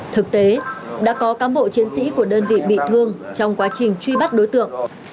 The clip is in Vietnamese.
thực tế đã có cán bộ chiến sĩ của đơn vị bị thương trong quá trình truy bắt đối tượng